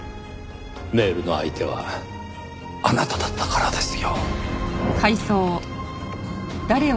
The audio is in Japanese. メールの相手はあなただったからですよ。